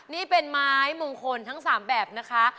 นี่เป็นไม้มงคลทั้ง๓แบบนะคะ